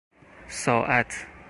ساعت